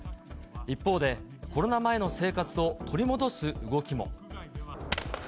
一方で、コロナ前の生活を取り戻す動きも。